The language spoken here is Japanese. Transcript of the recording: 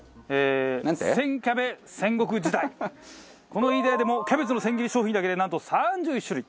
この飯田屋でもキャベツの千切り商品だけでなんと３１種類。